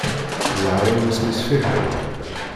Ẓẓher-iw isem-is fiḥel.